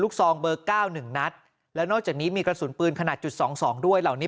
ลูกซองเบอร์๙๑๑และนอกจากนี้มีกระสุนปืนขนาดจุด๒๒๒ด้วยเหล่านี้